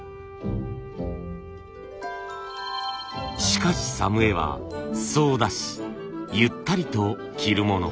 しかし作務衣は裾を出しゆったりと着るもの。